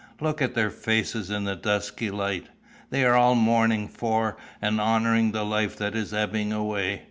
Look at their faces in the dusky light. They are all mourning for and honouring the life that is ebbing away.